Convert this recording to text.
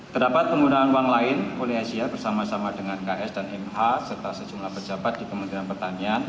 terdapat penggunaan uang lain oleh asia bersama sama dengan ks dan mh serta sejumlah pejabat di kementerian pertanian